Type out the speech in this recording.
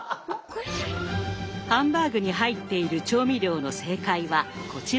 ハンバーグに入っている調味料の正解はこちらです。